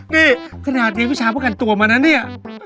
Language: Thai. นี่ขณะดีวิชาพระกันตัวมานะนี่